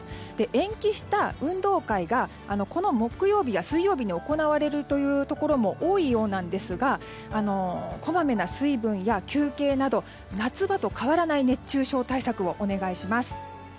延期した運動会がこの木曜日、水曜日に行われるところも多いようなんですがこまめな水分や休憩など夏場と変わらない熱中症対策をお願いします。